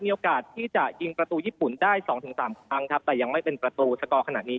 มีโอกาสที่จะยิงประตูญี่ปุ่นได้สองถึงสามครั้งครับแต่ยังไม่เป็นประตูสกอร์ขนาดนี้